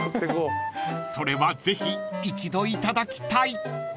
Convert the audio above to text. ［それはぜひ一度いただきたい］